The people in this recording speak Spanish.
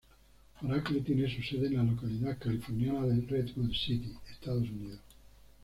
Oracle tiene su sede en la localidad californiana de Redwood City, Estados Unidos.